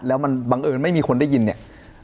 แล้วมันบังเอิญไม่มีคนได้ยินเนี่ย